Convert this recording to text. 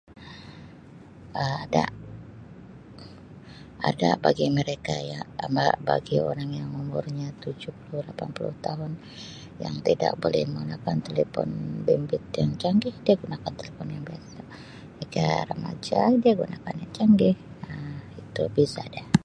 Um Ada. Ada bagi mereka ya-[Um]-ma bagi orang yang umurnya tujuh puluh lapan puluh tahun. Yang tidak boleh menggunakan telepon bimbit yang canggih dia gunakan telepon yang biasa. Macam remaja dia gunakan telepon yang canggih, Um itu biasa dia.